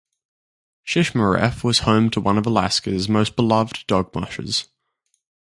Shishmaref was home to one of Alaska's most-beloved dog mushers.